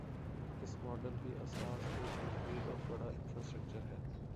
اس model کی اساس ایک مضبوط اور بڑا انفراسٹرکچر ہے۔